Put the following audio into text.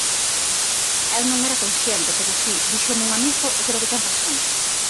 Eu non era consciente pero, si, díxomo un amigo e creo que ten razón.